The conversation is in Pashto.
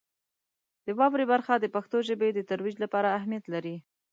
د واورئ برخه د پښتو ژبې د ترویج لپاره اهمیت لري.